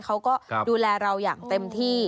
เขาก็ดูแลเราอย่างเต็มที่